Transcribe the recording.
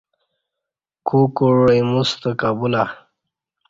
کو کوع ایموستہ کہ بولا